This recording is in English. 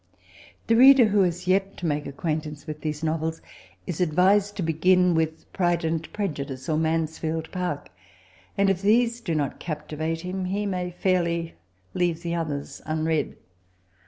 The reader who has yet to make acquaintance with these novels, is advised to b^in with Pride and Frejudiee or Mansfield Park; and if these do not captivate him, he may fairly leave the others nnread.